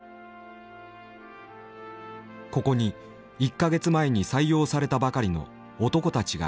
ここに１か月前に採用されたばかりの男たちがいた。